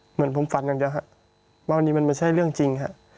เหมือนผมฝันอย่างเดียวครับว่าวันนี้มันไม่ใช่เรื่องจริงฮะ